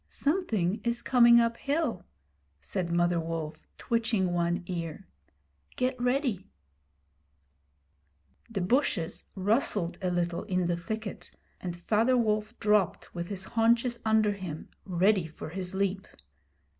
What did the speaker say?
'Something is coming up hill,' said Mother Wolf, twitching one ear. 'Get ready.' The bushes rustled a little in the thicket, and Father Wolf dropped with his haunches under him, ready for his leap.